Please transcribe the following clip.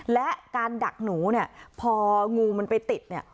และการดักหนูเนี่ยพองูมันไปติดเนี่ย